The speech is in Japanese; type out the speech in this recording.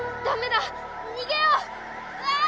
ダメだ！にげよう！